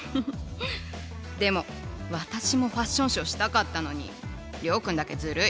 でも私もファッションショーしたかったのに諒君だけずるい。